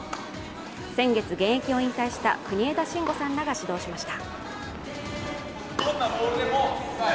先月、現役を引退した国枝慎吾さんらが指導しました。